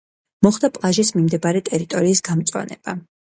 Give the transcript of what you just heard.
მოხდა პლაჟის მიმდებარე ტერიტორიის გამწვანება.